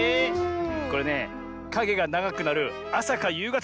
これねかげがながくなるあさかゆうがたがおすすめだぜ。